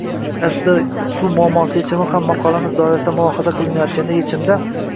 Aslida suv muammosi yechimi ham maqolamiz doirasida mulohaza qilinayotgan yechimda